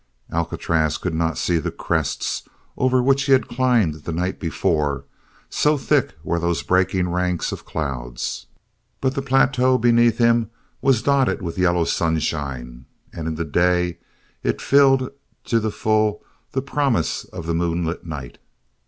Alcatraz could not see the crests over which he had climbed the night before, so thick were those breaking ranks of clouds, but the plateau beneath him was dotted with yellow sunshine and in the day it filled to the full the promise of the moonlit night.